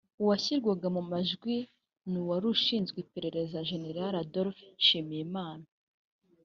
Uwashyirwaga mu majwi ni uwari ushinzwe iperereza Jenerali Adolphe Nshimirimana